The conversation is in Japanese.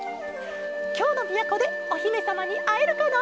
「きょうのみやこでおひめさまにあえるかな？